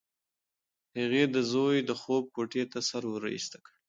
هغې د زوی د خوب کوټې ته سر ورایسته کړ.